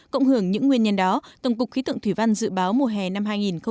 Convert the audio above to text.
cộng hưởng những nguyên nhân đó tổng cục khí tượng thủy văn dự báo mùa hè năm hai nghìn một mươi chín